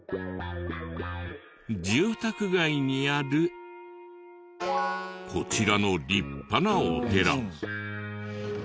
住宅街にあるこちらの立派なお寺。